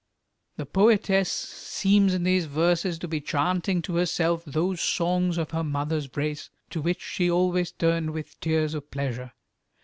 The poetess seems in these verses to be chanting to herself those songs of her mother's race to which she always turned with tears of pleasure.